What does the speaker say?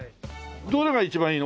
どれが一番いいの？